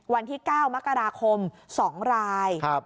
วันที่๙มกราคม๒ราย